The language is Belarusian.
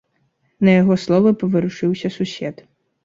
На яго словы паварушыўся сусед.